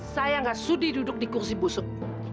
saya gak sudi duduk di kursi busuk